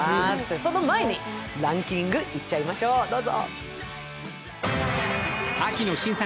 その前にランキングいっちゃいましょう、どうぞ。